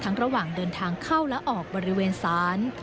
ระหว่างเดินทางเข้าและออกบริเวณศาล